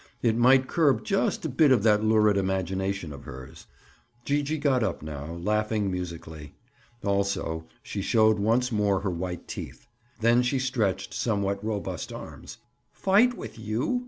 It might curb just a bit that lurid imagination of hers. Gee gee got up now, laughing musically. Also, she showed once more her white teeth. Then she stretched somewhat robust arms. "Fight with you?"